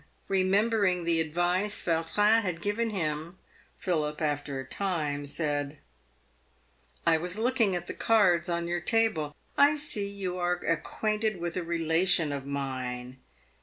Eemembering the advice Vau trin had given him, Philip, after a time, said, " I was looking at the cards on your table. I see you are ac quainted with a relation of mine."